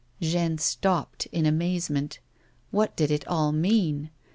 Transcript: Jeanne stopped in amazment. What did it all mean'?